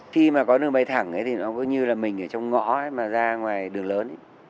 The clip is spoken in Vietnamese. khi mà có đường bay thẳng thì nó có như là mình ở trong ngõ mà ra ngoài đường lớn ấy